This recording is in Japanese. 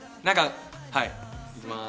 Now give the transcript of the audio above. はい、行きます。